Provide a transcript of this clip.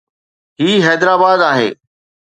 هي حيدرآباد آهي